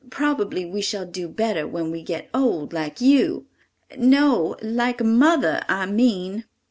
Probably we shall do better when we get old like you—no, like mother, I mean."